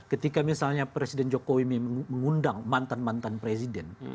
ketika misalnya presiden jokowi mengundang mantan mantan presiden